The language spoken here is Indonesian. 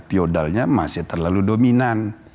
piodalnya masih terlalu dominan